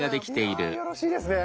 よろしいですな。